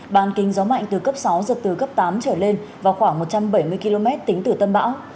bàn kính gió mạnh từ cấp sáu giật từ cấp tám trở lên vào khoảng một trăm bảy mươi km tính từ tâm bão